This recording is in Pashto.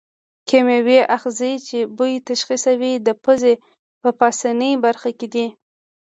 کیمیاوي آخذې چې بوی تشخیصوي د پزې په پاسنۍ برخه کې دي.